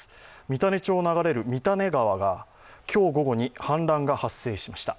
三種町を流れる三種川が今日午後に氾濫が発生しました。